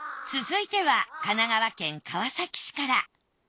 続いては神奈川県川崎市から。